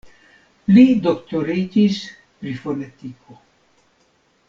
Li doktoriĝis pri fonetiko.